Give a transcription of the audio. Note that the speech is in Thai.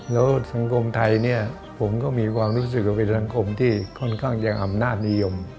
แล้วสังคมไทยเนี่ยผมก็มีความรู้สึกว่าเป็นสังคมที่ค่อนข้างจะอำนาจนิยม